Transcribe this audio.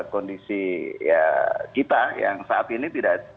kondisi kita yang saat ini tidak baik baik saja